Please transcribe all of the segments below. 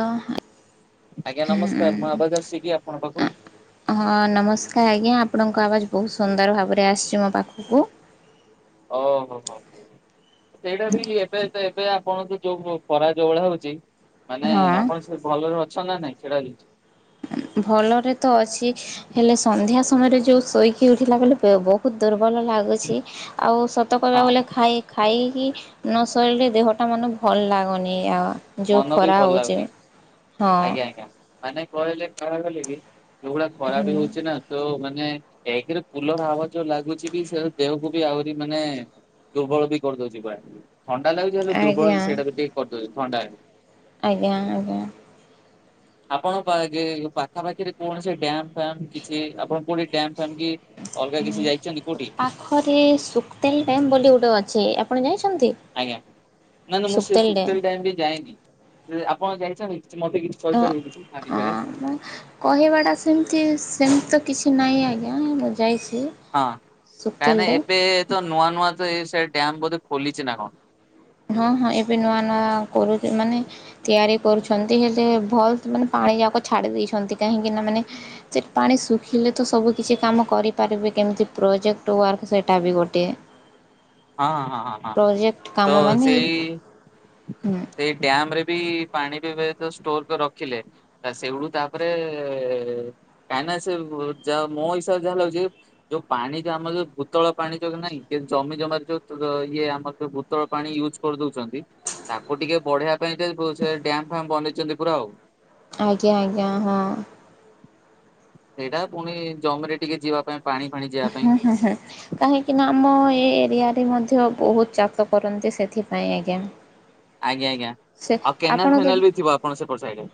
ଓ ହ ଆଜ୍ଞା ନମସ୍କାର ମୁଁ ହୁଁ ଆବାଜ ଆସୁଛି କି ଆପଣଙ୍କ ପାଖକୁ ହଁ ନମସ୍କାର ଆଜ୍ଞା ଆପଣଙ୍କ ଆବାଜ ବହୁତ ସୁନ୍ଦର ଭାବରେ ଆସିଛି ମୋ ପାଖକୁ। ଓହୋ ହୋ ସେଇଟା ବି ଏବେ ତ ଏବେ ଆପଣ ତ ଯୋଉ ପରା ଯୋଉ ଭଳିଆ ହଉଛି। ମାନେ ହଁ ଆପଣ ସେ ଭଲରେ ଅ ସନା ନାଇଁ ଖେଳାଲି ଭଲରେ ତ ଅଛି ହେଲେ ସନ୍ଧ୍ୟା ସମୟରେ ଯେଉଁ ଶୋଇକି ଉଠିଲା ବଲେ ବହୁତ ଦୁର୍ବଳ ଲାଗୁଛି ଆଉ ସତ କହିବାକୁ ହଁ ଗଲେ ଖାଇ ଖାଇକି ନ ଶୋଇଲେ ଦେହଟା ମାନେ ଭଲ ଲାଗୁନି ଆଉ ଯୋଉ ମନ ବି ଖରା ଭଲ ହଉଛି। ଲାଗୁନି ହଁ ଆଜ୍ଞା ଆଜ୍ଞା ମାନେ କହିଲେ ଯାହା କଲେ କି ଯୋଉଭଳିଆ ଖରା ବି ହଉଛି ନା ତୋ ମାନେ ମାନେ ଏକରେ ଫୁଲର ହାବା ଯୋଉ ଲାଗୁଛିକି ସେରା ଦେହକୁ ବି ଆହୁରି ମାନେ ଦୁର୍ବଳ ବି କରିଦଉଛି କୁଆଡେ। ଥଣ୍ଡା ଲାଗୁଛି ହେଲେ ଆଜ୍ଞା ଦୁର୍ବଳ ସେଇଟାବିି ଟିକେ କରିଦଉଛି। ଥଣ୍ଡା ଆଜ୍ଞା ଆଜ୍ଞା ଆପଣଙ୍କ ପାଗେ ପାଖା ପାାଖିରେ କୌଣସି ଡ୍ୟାମ ଫ୍ୟାମ କିଛି ଆପଣ କୋଉଠି ଡ୍ୟାମ ପାଖରେ ସୁକ୍ତାଲିଡ୍ୟାମ ବୋଲି ଗୋଟେ ଅଛି ଆପଣ ଜାଇଛ ଆଜ୍ଞା ନା ନା ମୁଁ ସେ ଡ୍ୟାମ୍। ଶୁକ୍ତାଲି ଡ୍ୟାମ ବି ଯାଏନି ଆପ କଣ ଯାଇଛନ୍ତି। କିଛି ମତେ କିଛି ଓ କହିପାରିବେ କିଛି ତା ହ ବିଷୟରେ? ମ କହିବା ଟା ସେମତି ସେମତି ତ କିଛି ନାହିଁ ଆଜ୍ଞା ମୁଁ ଯାଇଛି ହଁ ସୁକ୍ତେଲ କାହିଁକି ଡ୍ୟାମ୍ ଏବେ ତ ନୂଆ ନୂଆ ତ ଏ ସେଟ ଡ୍ୟାମ ବୋଧେ ଖୋଲିଚି ନା କଣ। ହଁ ହଁ ଏବେ ନୂଆ ନୂଆ କରୁଚି ମାନେ ତିଆରି କରୁଛନ୍ତି ହେଲେ ଭଲ ମାନେ ପାଣି ଯାକ ଛାଡ଼ି ଦେଇଛନ୍ତି କାହିଁକିନା ମାନେ ସେ ପାଣି ଶୁଖିଲେ ତ ସବୁ କିଛି କାମ କରିପାରିବେ କେମିତି ପ୍ରୋଜେକ୍ଟ ୱାର୍କ ସେଇଟା ବି ଗୋଟିଏ। ହଁ ହଁ ହଁ ତ ମାନେ ସେଇ ହୁଁ ସେଇ ଡ୍ୟାମ ରେ ବି ପାଣି ବ୍ୟ ସେ ଯୋଉ ଷ୍ଟୋରକରି ରଖିଲେ ସେଇଗୁୁ ତାପରେ କାହିଁନା ସେ ଯ ମୋ ହିସାବରେ ଯାହା ଲାଗୁଛି ଯୋଉ ପାଣି ଯୋଉ ଆମ ଯୋଉ ଭୂତଳ ପାଣି ଯୋଉ ନାଇଁ ଜମି ଜମା ଯୋଉ ଇଏ ଆମର ଯୋଉ ଭୁତଳ ପାଣି ୟୁଜ୍ କରିଦଉଛନ୍ତି ତାକୁ ଟିକେ ବଢେଇବା ପାଇଁ ସେ ଡ୍ୟାମ ଫ୍ୟାମ ବନେଇଛନ୍ତି ପୁରା ଆଉ। ଆଜ୍ଞା ଆଜ୍ଞା ହଁ ସେଇଟା ପୁଣି ଜମରେ ଟିକେ ଯିବା ପାଇଁ ପାଣି ଫାଣି ଯିବା ପାଇଁ ହଁ ହୁଁ ହୁଁ କାହିଁକି ନା ଆମ ଏଇ ଏରିଆ ମଧ୍ୟ ବହୁତ ଚାଷ କରନ୍ତି ସେଥିପାଇଁ ଆଜ୍ଞା। ଆଜ୍ଞା ଆଜ୍ଞା ସେ ଆଉ ଆପଣ କେନାଲ ତ ଫେନାଲ ବି ଥିବ ଆପଣ ସେପଟ ସାଡରେ।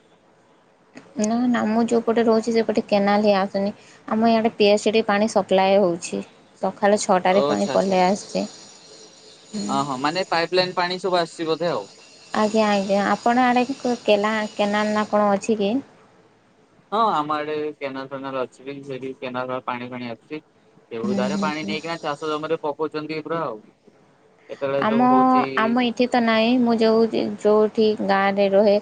ନା ନା ମୁଁ ଯୋଉପଟେ ରହୁଛି ସେପଟେ କେନାଲ ହିଁ ଆସୁନି ଆମ ଇଆଡେ ପି ଏଚ ପାଣି ସପ୍ଲାଏ ହଉଛି। ଓ ଆଚ୍ଛା ଆଚ୍ଛା ଅ ହଁ ମାନେ ପାଇପ ଲାଇନ୍ ପାଣି ସବୁ ଆସିବ ଦେଓ ଆଜ୍ଞା ଆଜ୍ଞା ଆପଣ ଆଡ଼େ କଉ କେନା କେନାଲ ନା କଣ ଅଛି କି? ହଁ ଆମର ଆଡେ କେନାଲ ଫେନାଲ ଅଛି। ସେଠି କେନାଲର ପାଣି ଫାଣି ଆସିୁଛି। ଏଉ ଧାରେ ପାଣି ନେଇଁ କି ନା ଚାଷ ଜମିରେ ପ [unintelligible] ଆମ ଆମ ଏଠି ତ ନାହିଁ ମୁଁ ଯୋଉ ଯୋଉ ସେଠି ଗାଁ ରେ ରହେ।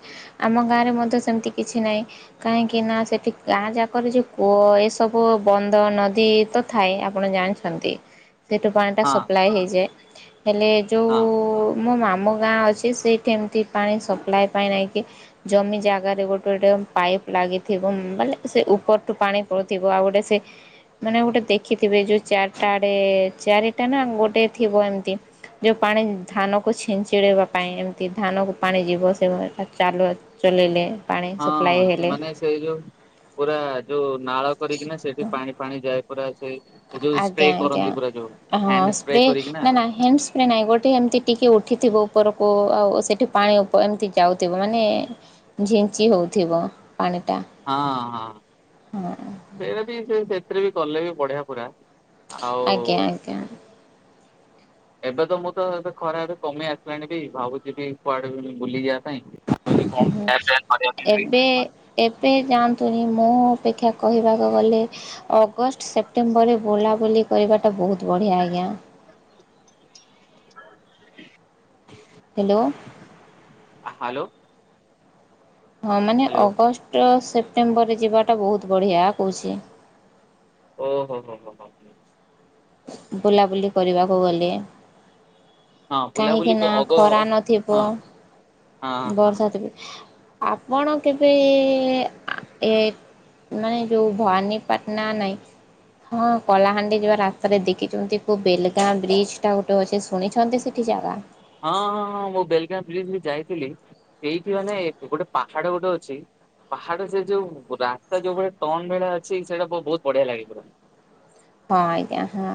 ଆମ ଗାଁ ରେ ମଧ୍ୟ ସେମିତି କିଛି ନାହିଁ। କାହିଁକି ନା ସେଠି ଗାଁ ଯାକରେ ଯୋଉ କୂଅ ଏସବୁ ବନ୍ଧ, ନଦୀ ତ ଥାଏ ଆପଣ ଜାଣିଛନ୍ତି। ସେଟୁ ପାଣିଟା ହଁ ସପ୍ଲାଏ ହେଇଯାଏ। ହେଲେ ହଁ ଯୋଉ-ଉ-ଉ ମୋ ମାମୁଁ ଗାଁ ଅଛି ସେଇଠି ଏମିତି ପାଣି ସପ୍ଲାଏ ପାଇଁ ନାଇଁକି ଜମି ଜାଗାରେ ଗୋଟେ ଗୋଟେ ପାଇପ ଲାଗିଥିବ। ବଲେ ସେ ଉପରଠୁ ପାଣି ପଡୁଥିବ। ଆଉ ଗୋଟେ ସେ ମାନେ ଗୋଟେ ଦେଖିଥିବେ ଯୋଉ ଚାରିଟା ଆଡେ-ଏ-ଏ ଚାରିଟା ନା ଗୋଟେ ଥିବ ଏମିତି ଯେଉଁ ପାଣି ଧାନକୁ ଛିଞ୍ଚିଡ଼େଇବା ପାଇଁ ଏମିତି ଧାନକୁ ପାଣି ଯିବ ସେ ଚାଲୁ ଚଲେଇଲେ ପାଣି ସପ୍ଲାଏ ହଁ ହେଲେ ସେମାନେ ସେଇ ଯୋଉ ପୁରା ଯୋଉ ନାଳ କରିକିନା ସେଠି ପାଣି ପାଣି ଯାଏ କରାଯାଏ ଆଜ୍ଞା ଆଜ୍ଞା ହଁ ହ୍ୟାଣ୍ଡ ସ୍ପ୍ରେ। କରିକିନା ନା ନା ହ୍ୟାଣ୍ଡ ସ୍ପ୍ରେ ନାହିଁ ଗୋଟେ ଏମତି ଟିକେ ଉଠିଥିବ ଉପରକୁ ଆଉ ସେଠି ପାଣି ଉପ ଏମିତି ଯାଉଥିବ ମାନେ ଝିଞ୍ଚି ହଉଥିବ ହଁ ହଁ ହଁ [unintelligible] ସେ ରେ ବି କଲେ ବି ବଢିଆ ପୁରା ଆଉ ଆଜ୍ଞା ଆଜ୍ଞା। ଏବେ ତ ମୁଁ ତ ଏବେ ଖରା ଏବେ କମେଇ ଆସିଲାଣି ବି ଭାବୁଛି ବି କୁଆଡେ ବି ବୁଲି ଯିବା ପାଇଁ ହୁଁ କରିବା ପାଇଁ ବି ଏବେ ଏବେ ଯାଆ ତୁଣି ମୁଁ ଅପେକ୍ଷା କହିବାକୁ ଗଲେ ଅ ଅଗଷ୍ଟ ସେପ୍ଟେମ୍ବରରେ ବୁଲାବୁଲି କରିବାଟା ବହୁତ ବଢିଆ ଆଞା। ହ୍ୟାଲୋ ହ୍ୟାଲୋ ହଁ ମାନେ ହ୍ୟାଲୋ ଅଗଷ୍ଟ ସେ ସେପ୍ଟେମ୍ବରରେ ଯିବାଟା ବହୁତ ବଢ଼ିଆ କହୁଛି। ଓ ହୋ ହୋ ହଁ ହଁ । ବୁଲାବୁଲି କରିବାକୁ ଗଲେ। ହଁ କାହିଁକି ବୁଲାବୁଲି କ ନା ଅଗ ଖରା ହଁ ନଥିବ ହଁ ହଁ ହଁ ବର୍ଷା ଥିବ ଆପଣ କେବେ ଏ-ଏ-ଏ ଏ ମାନେ ଯେଉଁ ଭବାନୀପାଟଣା ନାହିଁ ହଁ କଲାହାଣ୍ଡି ଯିବା ରା ଥରେ ଦେଖିଛନ୍ତି କୋ ବେଲଗାଁ ବ୍ରିଜ ଟା ଗୋଟେ ଅଛି ଶୁଣିଛନ୍ତି ସେଠି ଜାଗା। ହଁ ହଁ ହଁ ମୁଁ ବେଲଗାଁ ବ୍ରିଜ ବି ଯାଇଥିଲି। ସେଇଠି ମାନେ ଗୋଟେ ପାହାଡ ଗୋଟେ ଅଛି। ପାହାଡ ସେ ଯୋଉ ରାସ୍ତା ଯୋଉ ଭଳି ଟନ ବେଳା ଅଛି ସେଇଟା ବହୁତ ବଢିଆ ଲାଗିଥିଲା। ହଁ ଆଜ୍ଞା ହଁ।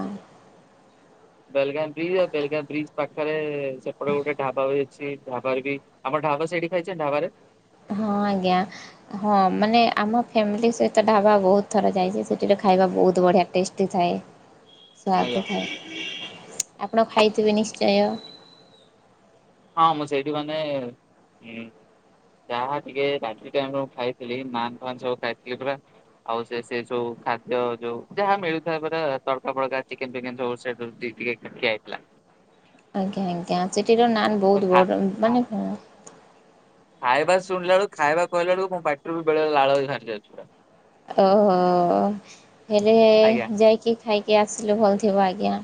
ବେଲଗାଁ ବ୍ରିଜ ଆଉ ବେଲଗାଁ ବ୍ରିଜ ପାଖରେ ସେପଟେ ଗୋଟେ ଢାବା ଅଛି ଢାବାରେ ବି ଆମ ଢାବା ସେଇଠି ଖାଇଛ ଢାବାରେ। ହଁ ଆଜ୍ଞା ହଁ ମାନେ ଆମ ଫ୍ୟାମିଲି ସହିତ ଢାବା ବହୁତ ଥର ଯାଇଛି ସେଠରେ ଖାଇବା ବହୁତ ବଢ଼ିଆ ଟେଷ୍ଟି ଥାଏ। ଆଜ୍ଞା ସ୍ୱାଦ ଥାଏ ଆପଣ ଖାଇଥିବେ ନିଶ୍ଚୟ। ହଁ ମୁଁ ସେଇଠି ମାନେ ଯାହା ଟିକେ ରାତି ଟାଇମରେ ମୁଁ ଖାଇଥିଲି ନାନ ଫାନ ସବୁ ଖାଇଥିଲି ପୁରା ଆଉ ସେ ସେ ସବୁ ଖାଦ୍ୟ ଯୋଉ ଯାହା ମିଳୁଥାଏ ପରା ତଡକା ଫଡକା ଚିକେନ ଫିକେନ ସବୁ ସେ ରୁଟି ଟିକେ ହେଇଥିଲା। ଆଜ୍ଞା ଆଜ୍ଞା ସେ। ର ନାନ ବହୁତ ବଡ ମାନେ କଣ। ଖାଇବା ଶୁଣିଲା ବଳୁ ଖାଇବା କହିଲ ବେଳକୁ ମୋ ପାଟିରୁ ବି ବେଳେ ଲାଳ ହେ ବାହାରି ଅଛି ପୁରା। ଓହୋ ହେଲେ ଆଜ୍ଞା ଯାଇକି ଖାଇକି ଆସିଲୁ ଭଲ ଥିବ ଆଜ୍ଞା।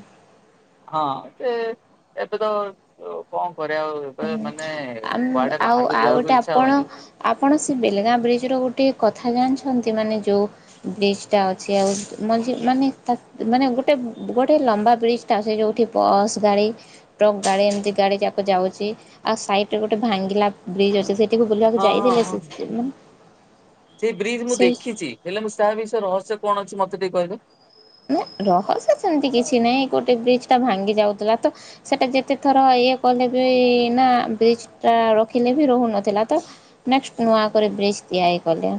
ହଁ ଏ ଏବେ ତ କଣ। କରିବା ଆଉ ଏବେ ମାନେ ଆ କୁଆଡେ ଆଉ ବାହାରକୁ ଆଉ ଯିବାକୁ ଗୋଟେ ଇଚ୍ଛା ଆପଣ ହବନି। ଆପଣ ସେ ବେଲଗାଁ ବ୍ରିଜ ର ଗୋଟେ। ଗୋଟେ କଥା ଜାଣିଛନ୍ତି ମାନେ ଯୋଉ ବ୍ରିଜ ଟା ଅଛି ଆଉ ମ୍ ମାନେ ମାନେ ଗୋଟେ ଗୋଟେ ଲମ୍ବା ବ୍ରିଜ ଟା ଅଛି ଯୋଉଠି ବସ୍ ଗାଡି ଟ୍ରକ୍ ଗାଡି ଏମିତି ଗାଡି ଯାକ ଯାଉଛି। ଆଉ ସାଇଡ ରେ ଗୋଟେ ଭାଙ୍ଗିଲା ବ୍ରିଜ୍ ଅଛି ସେଠି। କୁ ବୁଲିବାକୁ ହଁ ଯାଇ ହଁ ଦେଲେ ହଁ ସେ ସେଇ ବ୍ରିଜ ମୁଁ ସେଇ ଦେଖିଛି ହେଲେ ମୁଁ ତାହା ବିଷୟ ରହସ୍ୟ। କଣ ଅଛି ମତେ ଟିକେ କହିଲେ। ନା ରହସ୍ୟ ସେମିତି କିଛି ନାହିଁ ଗୋଟେ ବ୍ରିଜ ଟା ଭାଙ୍ଗି ଯାଉଥିଲା ତ ସେଟା ଯେତେ ଥର ଇଏ କଲେ ବି ନା ବ୍ରିଜ ଟା ରଖିଲେ ବି ରହୁନଥିଲା ତ ନେକ୍ସଟ ନୂଆ କରି ବ୍ରିଜ ତିଆରି କଲେ।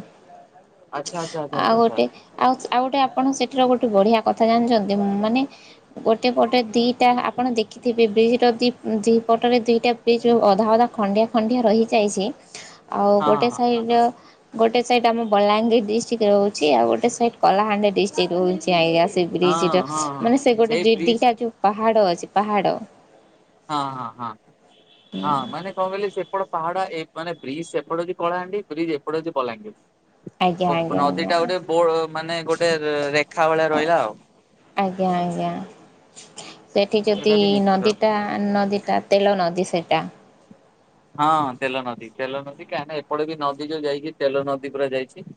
ଆଚ୍ଛା ଆଚ୍ଛା ଆଚ୍ଛା ଆଉ ଆଚ୍ଛା ଆଚ୍ଛା ଗୋଟେ ଆଉ ଆଉ ଗୋଟେ ଆପଣ ସେଠର ଗୋଟେ। ବଢିଆ କଥା ଜାଣିଛନ୍ତି ମାନେ ଗୋଟେ ପଟେ ଦିଟା ଆପଣ ଦେଖିଥିବେ ବ୍ରିଜ ର ଦି ଦି ପଟରେ ଦିଟା ବ୍ରିଜ ଅଧା ଅଧା ଖଣ୍ଡିଆ ଖଣ୍ଡିଆ ରହିଯାଇଛି। ଆଉ ଗୋଟେ ହଁ ହଁ ସାଇଡ଼। ଗୋଟେ ସାଇଡ ଆମ ବଲାଙ୍ଗୀର ଡିଷ୍ଟ୍ରିକ୍ଟ ରହୁଛି ଆଉ ଗୋଟେ ସାଇଡ୍ କଳାହାଣ୍ଡି ଡିଷ୍ଟ୍ରିକ୍ଟ ରହୁଛି। ଆଇଞା [unintelligible] ସେ ବ୍ରିଜଟା ହଁ ହଁ ମାନେ ସେ ହଁ ଗୋଟେ ସେଇ ଦି ବ୍ରିଜ ଦିଟା ଯୋଉ ପାହାଡ ଅଛି। ପାହାଡ଼। ହଁ ହଁ ହଁ ହଁ ମାନେ କଣ କହିଲେ ସେପଟ ପାହାଡ। ମାନେ ବ୍ରିଜ୍ ସେପଟ ହଉଚି ପଳାହାଣ୍ଡି ବ୍ରିଜ୍ ଏପଟ ହଉଚି ଆଜ୍ଞା ଆଜ୍ଞା ବଲାଙ୍ଗିର। ନଦୀ ଆଜ୍ଞା ଟା ଗୋଟେ ବୋ ମାନେ ଗୋଟେ ରେଖା ଭଳିଆ ରହିଲା ଆଉ। ଆଜ୍ଞା ଆଜ୍ଞା ସେଠି ଯଦି ଏଇଟା ବି ନିଶ୍ଚିତ ନଦୀଟା ନଦୀଟା ତେଲ ନଦୀ ସେଇଟା। ହଁ ତେଲ ନଦୀ ତେଲ ନଦୀ କାହିଁକି ନା ଏପଟେ ବି ନଦୀ ଯଉ ଯାଇଛିି ତେଲ ନଦୀ ପୁରା ଯାଇଛି।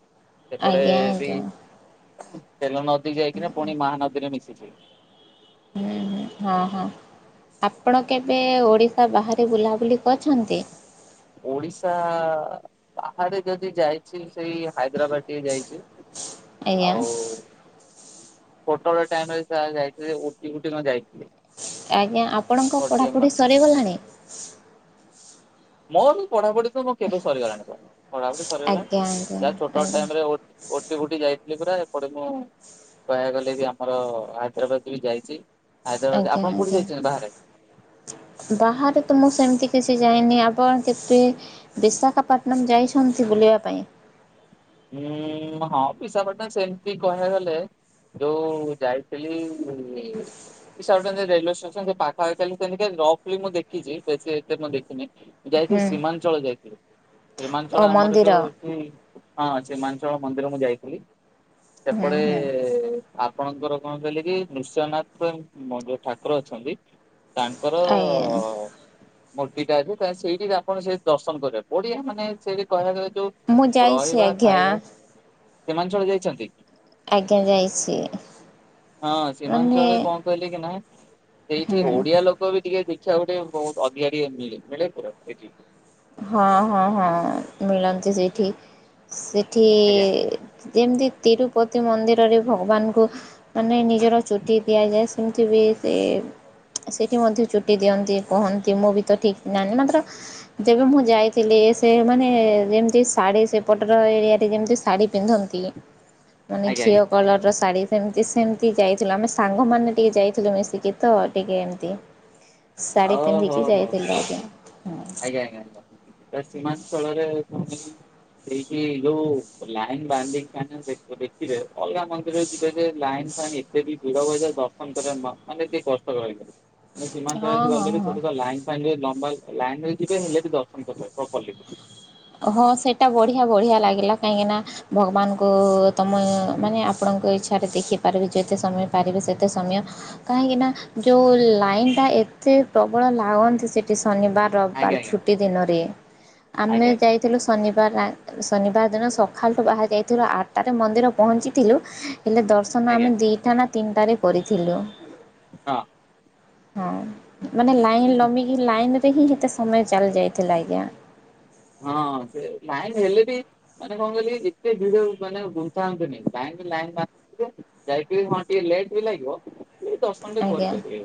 ଆଜ୍ଞା ଆଜ୍ଞା। ଖାଇଲ ନ ଯାଇକିନା ପୁଣି ମହାନଦୀରେ ମିଶି ଯେ ହୁଁ ହୁଁ ହଁ ହଁ ଆପଣ କେବେ ଓଡିଶା ବାହାରେ ବୁଲାବୁଲି କରିଛନ୍ତି? ଓଡିଶା ବା ଥରେ ଯଦି ଯାଇଛି ସେଇ ହାଇଦ୍ରାବାଦ ଟିକେ ଯାଇଛି ଆଜ୍ଞା ଆଉ ଛୋଟ ଟାଇମ ରେ ଯାଇଥିଲି ଓଟି ଉଟି କଣ ଯାଇନି। ଆଜ୍ଞା ଆପଣଙ୍କ ପଢ଼ାପଢ଼ି ସରିଗଲାଣି ମୋର ପଢ଼ାପଢ଼ି ମୁ କେବେ ସରିଗଲାଣି ପଢାପଢ଼ି ପଢ଼ାପଢ଼ି ଆଜ୍ଞା ସରିଗଲାଣି ଆଜ୍ଞା ଯାହା ଛୋଟ ଆଜ୍ଞା ଟାଇମ ରେ ଓ ଓଟି ଉଟି ଯାଇ ଲେ ପୁରା ଏପଟେ ମୁଁ କହିବାକୁ ଗଲେ ବି ଆମର ହାଇଦ୍ରାବାଦ ବି ଯାଇଛି। ହାଇଦ୍ରାବାଦ ଆଜ୍ଞା ଆପଣ କୋଉଠି ଆଜ୍ଞା ଯାଇଛନ୍ତି ବାହାରେ ବାହାରେ ତ ମୁଁ ସେମିତି ସେ ସେ ଯାଇନି ଆପଣ କେବେ ବିଶାଖାପାଟନମ ଯାଇଛନ୍ତି ବୁଲିବା ପାଇଁ ହୁଁ ହଁ ବିଶାଖାପାଟନମ ସେମିତି କହିବାକୁ ଗଲେ ଯୋଉ ଯାଇଥିଲି ବିଶାଖାପାଟନମ ରେଲୱେ ଷ୍ଟେସନ ରେ ପାଖା [inaudible] ରଫଲି ମୁଁ ଦେଖିଛି ବେଶୀ ଏତେ ମୁଁ ଦେଖିନି ଯାଇଥିଲି ହୁଁ ସୀମାଞ୍ଚଳ ଯାଇଥିଲି। ଓ ସୀମାଞ୍ଚଳ ଆମର ମନ୍ଦିର ଯୋଉଅଛି। ହଁ ସିମାଞ୍ଚଳ ମନ୍ଦିର ମୁଁ ଯାଇଥିଲି। ହୁଁ ସେପଟେ ହୁଁ ଆ ଆପଣଙ୍କର କଣ କହିଲେ କି ନୃସିଂହନାଥ ମ ଯୋଉ ଠାକୁର ଅଛନ୍ତି। ତାଙ୍କର ଆଜ୍ଞା। ମୂର୍ତ୍ତି ଟା ଅଛି ସେଇଠି ଆପଣ ସେ ଦର୍ଶନ କରିବେ ପଡିଆ ମାନେ ସେଇଠି କହିବାକୁ ଗ ମୁଁ ଯା ଇଛି ଆଜ୍ଞା ସିମାଞ୍ଚଳ ଯାଇଛନ୍ତି। ଆଜ୍ଞା ଯାଇଛି ହଁ ମାନେ ସୀମାଞ୍ଚଳରେ କଣ କହିଲେ କି ନା ସେଇଠି ହୁଁ ଓଡିଆ ଲୋକ ବି ଟିକେ ଦେ ସେ ଗୋଟେ ବହୁତ ଅଧିକା ଟିକେ ମିଳେ ମିଳେ ପୁରା ଏଇଠି ହଁ ହଁ ହଁ ମିଳନ୍ତି ସେଇଠି ସେଠି ଆଜ୍ଞା ଯେମିତି ତିରୁପତି ମନ୍ଦିରରେ ଭଗବାନଙ୍କୁ ମାନେ ନିଜର ଚୁଟି ଦିଆଯାଏ ସେମିତି ବି ସେ ସେଠି ମଧ୍ୟ ଚୁଟି ଦିଅନ୍ତି କହନ୍ତି ମୁଁ ବି ତ ଠିକ୍ ନାହିଁ ନା ମାତ୍ର ଯେବେ ମୁଁ ଯାଇଥିଲି ସେ ମାନେ ଯେମିତି ଶାଢ଼ୀ ସେ ପଟର ଏରିଆରେ ଯେମିତି ଶାଢ଼ୀ ପିନ୍ଧନ୍ତି। ମାନେ ଆଜ୍ଞା ଆଜ୍ଞା ଘିଅ କଲର ର ଶାଢୀ ସେମିତି ସେମିତି ଯାଇଥିଲୁ ଆମେ ସାଙ୍ଗମାନେ ଟିକେ ଯାଇଥିଲୁ ମିଶିକି ତ ଟିକେ ଏମତି ଶାଢ଼ୀ ଓହୋ ପିନ୍ଧିକି ଯାଇଥିଲୁ ଆଜ୍ଞା। ଏ ସିମାଞ୍ଚଳ ରେ। [unintelligible] ସେଇଠି ଯୋଉ ଲାଇନ୍ ବାନ୍ଧିକି ଦେ ଦେଖିବେ ଅଲଗା ମନ୍ଦିର ଯିବେ ଯେ ଲାଇନ୍ ଫାଇନ୍ ଏତେ ବି ଦୂର ହୁଏ ଯେ ଦର୍ଶନ କରିବା ମାନେ ଟିକେ କଷ୍ଟକର ହେଇଯାଏ ମୁଁ ହଁ ସେଇଥି ହଁ ଗଲେ ହଁ ସେଠି ତ ଲାଇନ ଫାଇନ ଯଦି ନଥିବ ଲାଇନ ରେ ଯିବେ ହେଲେ ବି ଦର୍ଶନ କରିବେ କଲେ ବି ହଁ ସେଟା ବଢିଆ ବଢିଆ ଲାଗିଲା କାହିଁକିନା ଭଗବାନଙ୍କୁ-ଉ-ଉ ତମେ ମାନେ ଆପଣଙ୍କ ଇଚ୍ଛା ରେ ଦେଖିପାରିବି ଯେତେ ସମୟ ପାରିବେ ସେତେ ସମୟ କାହିଁକିନା ଯୋଉ-ଉ-ଉ ଲାଇନ ଟା ଏତେ ପ୍ରବଳ ଲାଗନ୍ତି ସେଠି। ଶନିବାର ଆଜ୍ଞା ରବିବାର ଆଜ୍ଞା ଛୁଟି ଦିନରେ ଆମେ। ଆଜ୍ଞା ଯାଇଥିଲୁ ଶନିବାର ଆଁ ଶନିବାର ଦିନ ସକାଳ ଠୁ ବାହାରି ଯାଇଥିଲୁ ଆଠଟାରେ ମନ୍ଦିର ପହଞ୍ଚିଥିଲୁ। ହେଲେ ଦର୍ଶନ ଆଜ୍ଞା ଆମେ ଦିଟା ନା ତିନିଟାରେ କରିଥିଲୁ। ହଁ। ହଁ। ମାନେ ଲାଇନ୍ ଲମ୍ବିକି ଲାଇନ ରେ ହିଁ ସେତେ ସମୟ ଚାଲି ଯାଇଥିଲା ଆଜ୍ଞା। ହଁ ସେ ଲାଇନ୍ ହେଲେ ବି ମାନେ କଣ କହିଲି ଏତେ ଭିଡ ମାନେ ଗୁନ୍ଥାନ୍ତୁନି ଲାଇନ ଲାଇନ ଆସିବେ ଯାଇକି ହଁ ଟିକେ ଲେଟ ବି ଲାଗିବ। ହେଲେ ଦର୍ଶନଟେ ଆଜ୍ଞା କରିପାରିବେ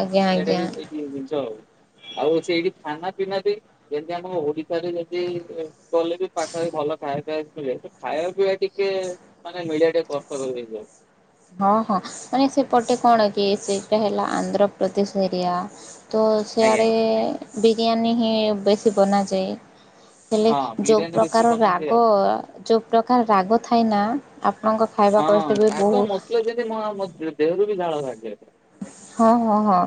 ଆଜ୍ଞା ସେଇଟା ଆଜ୍ଞା ବି ସେଇଠି ଜିନିଷ ଆଉ ଆଉ ସେଇଠି। ଖାନା ପିନା ବି ଯେମତି ଆମ ଓ ଓଡ଼ିଶା ରେ ଯଦି କଲେ ବି ପାଖରେ ଭଲ ଖାଇବା ପିବା ଥିଲେ ଖାଇବା ପିଇବା ଟିକେ-କେ ମାନେ ମିଳିଆ ଟିକେ କଷ୍ଟକର ହେଇଯାଏ। ହଁ ହଁ ମାନେ ସେପଟେ କଣ କି ସେଇଟା ହେଲା ଆନ୍ଧ୍ରପ୍ରଦେଶ ଏରିଆ। ତ ଆଜ୍ଞା ଆଜ୍ଞା। ସେଆଡେ-ଡେ-ଡେ ବି ବିରିୟାନୀ ହିଁ ବେଶୀ ବନାଯାଏ। ହେଲେ ହଁ ଯୋଉ ବିରିୟାନୀ ବେଶୀ ପ୍ରକାର ବନାନ୍ତି ଆଉ। ରାଗ-ଗ-ଗ ଯୋଉ ପ୍ର ରାଗ ଥଏ ନା ଆ ଆପଣଙ୍କ ଖାଇବା କଷ୍ଟ ବି ବହୁତ କି ଅଛନ୍ତି ମ ମୋ ଦେ ଦେହରୁ ବି ଝାଳ ବାହାରିଯାଏ। ହଁ ହଁ ହଁ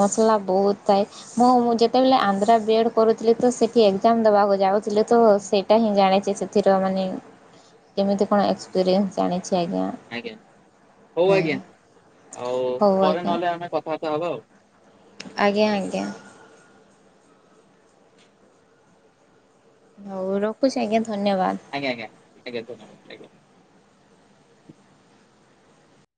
ମସଲା ବହୁତ ଥାଏ। ହଁ ମୁଁ ଯେତେବେଳେ ଆନ୍ଧ୍ରା ବି ଏଡ। କରୁଥିଲି ତ ସେଇଠି ଏକ୍ଜାମ ଦବାକୁ ଯାଉଥିଲି ତ ସେଇଟା ହିଁ ଜାଣିଛି ସେଥିର ମାନେ କେମିତି କଣ ଏକ୍ସପିରିଏନ୍ସ ଜାଣିଛି। ଆଜ୍ଞା ହଉ ହୁଁ ଆଜ୍ଞା ହଉ-ଉ-ଉ। ହଉ ପରେ ଆଜ୍ଞା ନହେଲେ ଆମେ କଥାବାର୍ତ୍ତା ହବା ଆଉ। ଆଜ୍ଞା ଆଜ୍ଞା। ହଉ ରଖୁଛି ଆଜ୍ଞା। ଧନ୍ୟବାଦ। ଆଜ୍ଞା ଆଜ୍ଞା ଆଜ୍ଞା ଧନ୍ୟବାଦ ଆଜ୍ଞା।